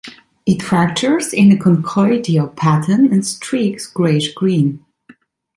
It fractures in a conchoidal pattern and streaks grayish-green.